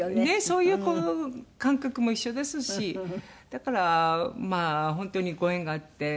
そういう感覚も一緒ですしだからまあ本当にご縁があって。